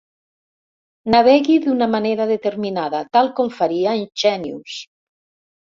Navegui d'una manera determinada, tal com faria en Xènius.